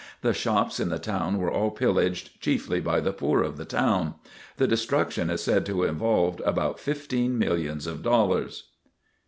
The shops in the town were all pillaged chiefly by the poor of the town. The destruction is said to have involved about fifteen millions of dollars.